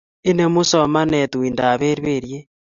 Inemu somanet tuindab perperiet